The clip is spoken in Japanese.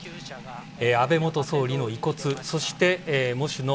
安倍元総理の遺骨そして、喪主の